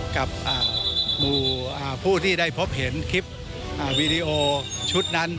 กับผู้ที่ได้พบเห็นคลิปวีดีโอชุดนั้น